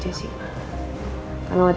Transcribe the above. jadi gak pernah liat